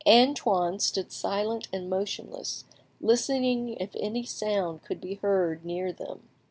Antoine stood silent and motionless, listening if any sound could be heard near them.